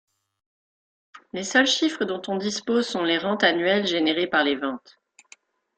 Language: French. Les seuls chiffres dont on dispose sont les rentes annuelles générées par les ventes.